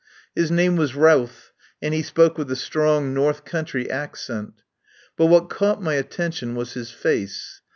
His name was Routh, and he spoke with a strong North country ac cent. But what caught my attention was his face.